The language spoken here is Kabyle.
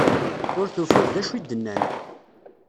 Ur tufiḍ d acu i d-nnan.